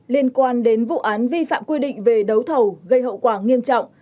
liên quan đến vụ án vi phạm quy định về đấu thầu gây hậu quả nghiêm trọng